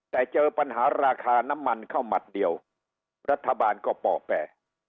แต่เจอปัญหาราคาน้ำมันเข้าหมัดเดียวรัฐบาลก็ป่อแปล